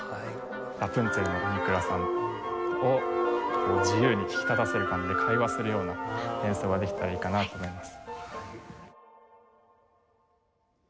ラプンツェルの新倉さんを自由に引き立たせる感じで会話するような演奏ができたらいいかなと思います。